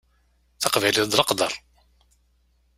Taqbaylit d leqder.